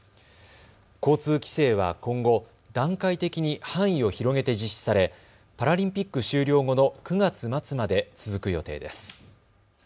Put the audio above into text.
交通規制は今後、段階的に範囲を広げて実施されパラリンピック終了後の９月末まで続く予定です。